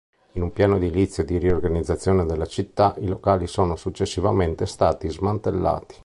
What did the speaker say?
In un piano edilizio di riorganizzazione della città i locali sono successivamente stati smantellati.